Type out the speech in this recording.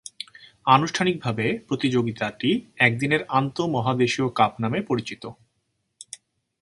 আনুষ্ঠানিকভাবে প্রতিযোগিতাটি একদিনের আন্তঃমহাদেশীয় কাপ নামে পরিচিত।